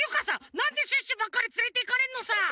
なんでシュッシュばっかりつれていかれんのさ？